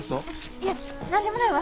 いえ何でもないわ。